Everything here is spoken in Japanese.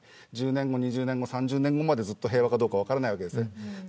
１０年後、２０年後３０年後までずっと平和か分からないわけです。